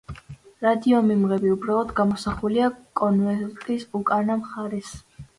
რადიომიმღები უბრალოდ გამოსახულია კონვერტის უკანა მხარეს.